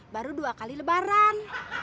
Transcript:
baru dua kali lebaran